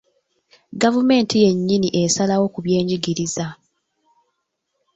Gavumenti yennyini esalawo ku byenjigiriza .